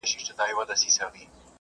پدې شرط چي عقل ئې مغلوب سوی وي.